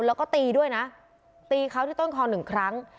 แล้วก็ตีด้วยนะตีเขาที่ต้นคอหนึ่งครั้ง